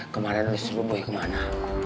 kemarin lo suruh boy kemana